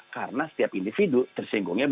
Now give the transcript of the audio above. karena setiap individu tersinggungnya